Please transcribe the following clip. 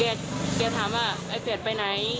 เกียร์ถามว่าไอ้แฟดไปไหน